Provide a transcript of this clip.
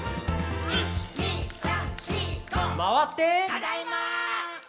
「ただいま！」